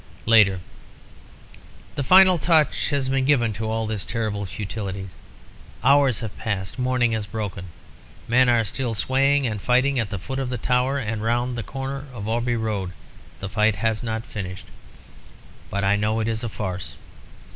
"Later. The final touch has been given to all this terrible futility. Hours have passed; morning has broken; men are still swaying and fighting at the foot of the tower and round the corner of Aubrey Road; the fight has not finished. But I know it is a farce.